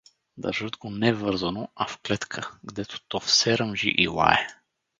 Държат го не вързано, а в клетка, гдето то все ръмжи и лае.